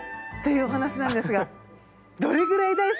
いうお話なんですが。